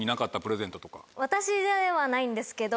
私ではないんですけど。